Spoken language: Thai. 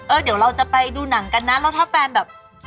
เดี๋ยวเราจะไปดูหนังกันนะแล้วถ้าแฟนแบบ